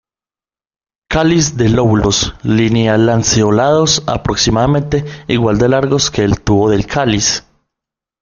Cáliz de lóbulos lineal-lanceolados, aproximadamente igual de largos que el tubo del cáliz.